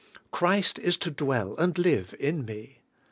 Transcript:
Christ is to dwell and live in me.